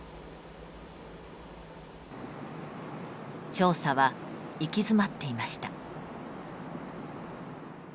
調査は行き詰まっていました。